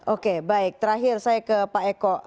oke baik terakhir saya ke pak eko